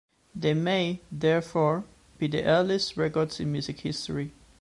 They may therefore be the earliest records in music history.